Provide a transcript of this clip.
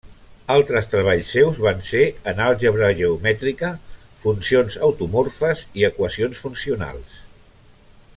Altres treballs seus van ser en àlgebra geomètrica, funcions automorfes i equacions funcionals.